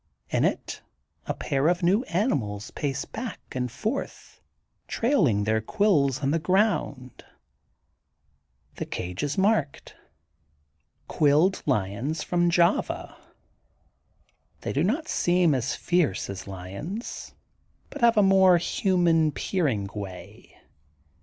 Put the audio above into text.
In it a pair of new animals pace back and forth, trailing their qnills on the ground. The cage is marked. Quilled Lions from Java. '' They do not seem as fierce as lions, but have a more human peering, way.